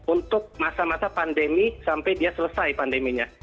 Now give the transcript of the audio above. untuk masa masa pandemi sampai dia selesai pandeminya